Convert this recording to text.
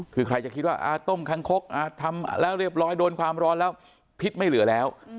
คือใครจะคิดว่าต้มคังคกทำแล้วเรียบร้อยโดนความร้อนแล้วพิษไม่เหลือแล้ว